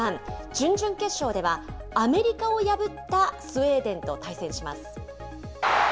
準々決勝ではアメリカを破ったスウェーデンと対戦します。